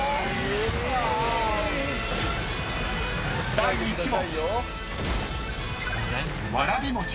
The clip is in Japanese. ［第１問］